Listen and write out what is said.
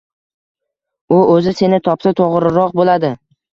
u o‘zi seni topsa to‘g‘riroq bo‘ladi.